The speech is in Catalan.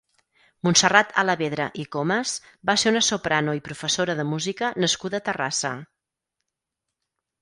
Montserrat Alavedra i Comas va ser una soprano i professora de música nascuda a Terrassa.